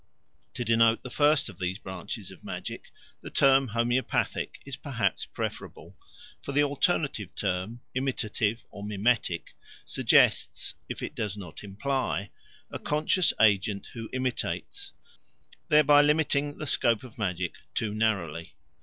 To denote the first of these branches of magic the term Homoeopathic is perhaps preferable, for the alternative term Imitative or Mimetic suggests, if it does not imply, a conscious agent who imitates, thereby limiting the scope of magic too narrowly.